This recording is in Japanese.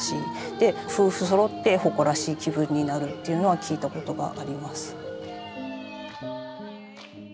で夫婦そろって誇らしい気分になるっていうのは聞いたことがあります。